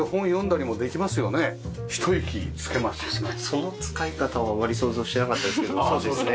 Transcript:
その使い方はあまり想像してなかったですけどそうですね。